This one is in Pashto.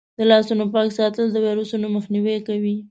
د لاسونو پاک ساتل د ویروسونو مخنیوی کوي.